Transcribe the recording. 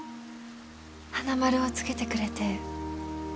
花丸をつけてくれて